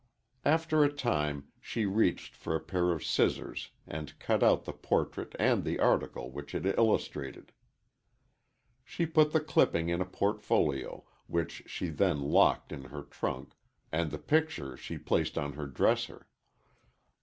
After a time, she reached for a pair of scissors, and cut out the portrait and the article which it illustrated. She put the clipping in a portfolio, which she then locked in her trunk, and the picture she placed on her dresser.